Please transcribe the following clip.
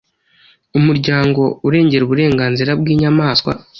umuryango urengera uburenganzira bw’inyamaswa